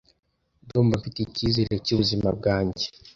ndumva mfite icyizere cy’ ubuzima bwanjye